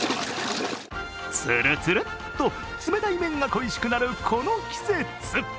つるつるっと冷たい麺が恋しくなるこの季節。